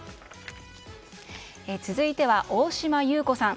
続いては大島優子さん。